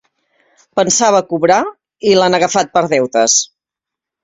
Pensava cobrar i l'han agafat per deutes.